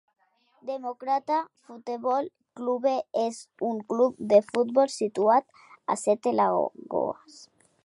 Democrata Futebol Clube és un club de futbol situat a Sete Lagoas.